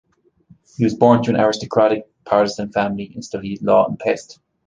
He was born to an aristocratic Protestant family, and studied law in Pest.